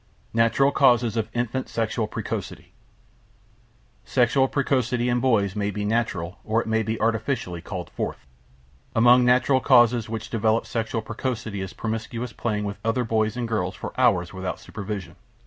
NATURAL CAUSES OF INFANT SEXUAL PRECOCITY Sexual precocity in boys may be natural or it may be artificially called forth. Among natural causes which develop sex precocity is promiscuous playing with other boys and girls for hours without supervision.